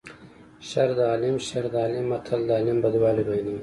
شر د عالیم شر د عالیم متل د عالم بدوالی بیانوي